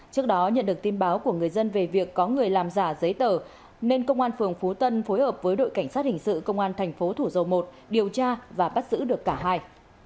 trước đó nhận được tin báo của người dân về việc có người làm giả giấy tờ nên công an phường phú tân phối hợp với đội cảnh sát hình sự công an thành phố thủ dầu một điều tra và bắt giữ được cả hai